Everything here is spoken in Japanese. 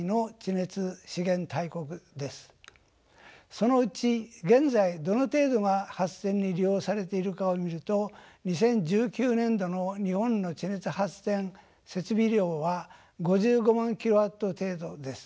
そのうち現在どの程度が発電に利用されているかを見ると２０１９年度の日本の地熱発電設備量は５５万キロワット程度です。